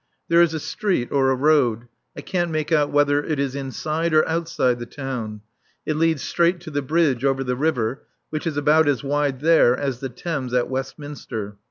There is a street or a road I can't make out whether it is inside or outside the town; it leads straight to the bridge over the river, which is about as wide there as the Thames at Westminster.